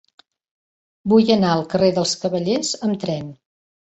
Vull anar al carrer dels Cavallers amb tren.